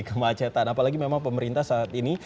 kemacetan apalagi memang pemerintah saat ini